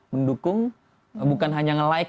mendukung bukan hanya nge like